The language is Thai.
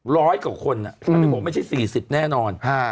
ร้อยกว่าคนอ่ะไม่ใช่๔๐แน่นอน